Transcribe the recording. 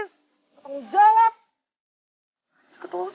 bisa banget lo jadi ketosis